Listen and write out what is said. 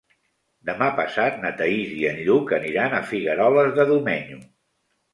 Demà passat na Thaís i en Lluc aniran a Figueroles de Domenyo.